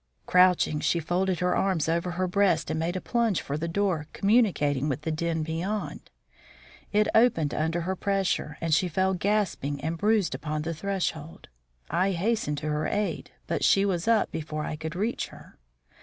Crouching, she folded her arms over her breast and made a plunge for the door communicating with the den beyond. It opened under her pressure and she fell gasping and bruised upon the threshold. I hastened to her aid, but she was up before I could reach her.